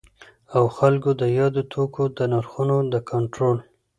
او خلګو د یادو توکو د نرخونو د کنټرول